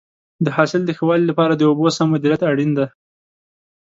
د حاصل د ښه والي لپاره د اوبو سم مدیریت اړین دی.